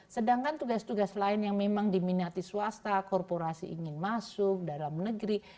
sedangkan tugas tugas lain yang memang diminati swasta korporasi ingin masuk dalam negeri